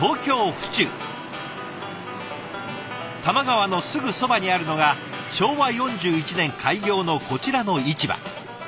多摩川のすぐそばにあるのが昭和４１年開業のこちらの市場。